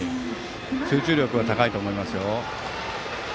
集中力は高いと思いますよ。